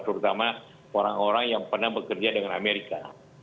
terutama orang orang yang pernah bekerja dengan amerika